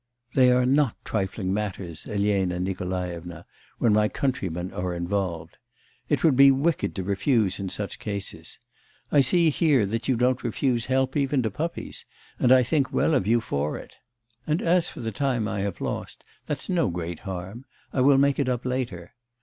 'They are not trifling matters, Elena Nikolaevna, when my countrymen are involved. It would be wicked to refuse in such cases. I see here that you don't refuse help even to puppies, and I think well of you for it. And as for the time I have lost, that's no great harm; I will make it up later.